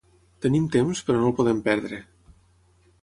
Tenim temps, però no el podem perdre.